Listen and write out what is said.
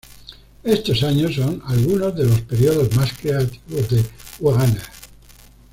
Estos años son algunos de los períodos más creativos de Wegener.